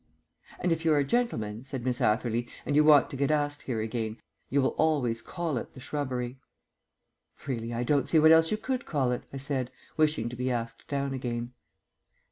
"And if you're a gentleman," said Miss Atherley, "and want to get asked here again, you'll always call it the shrubbery." "Really, I don't see what else you could call it," I said, wishing to be asked down again.